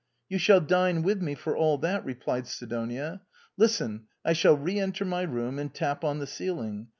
You shall dine with me for all that," replied Sidonia. " Listen : I shall re enter my room, and tap on the ceiling.